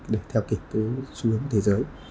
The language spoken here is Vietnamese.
để theo kỷ cứu xu hướng thế giới